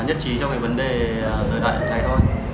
nhất trí trong cái vấn đề thời đại này thôi